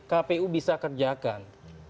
kpu bisa kerjakan